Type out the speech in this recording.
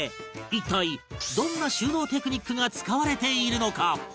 一体どんな収納テクニックが使われているのか？